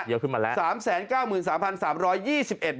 เยอะขึ้นมาแล้ว